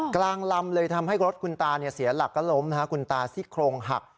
กลางลำเลยทำให้รถคุณตาเสียหลักก็ล้มคุณตาซี่โครงหัก